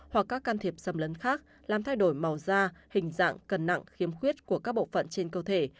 hoặc các can thiệp xâm lấn khác làm thay đổi màu da hình dạng cần nặng khiếm khuyết của các bộ phận trên cơ thể